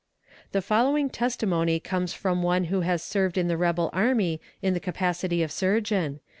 The following testimony comes from one who has served in the rebel army in the capacity of surgeon.